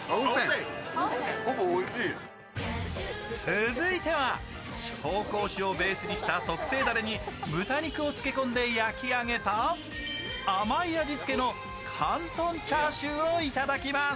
続いては、紹興酒をベースにした特製だれに豚肉を漬け込んで焼き上げた甘い味付けの広東チャーシューをいただきます